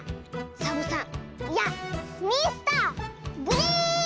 サボさんいやミスターグリーン！